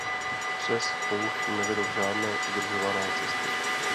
Přes poušť nevedou žádné udržované cesty.